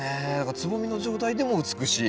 つぼみの状態でも美しい。